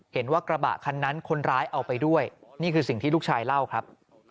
กระบะคันนั้นคนร้ายเอาไปด้วยนี่คือสิ่งที่ลูกชายเล่าครับ